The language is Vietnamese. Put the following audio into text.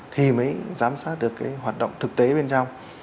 thì mới giám sát được cái hoạt động thực tế bên trong